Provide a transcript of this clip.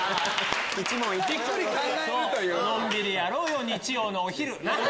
のんびりやろうよ日曜のお昼なっ？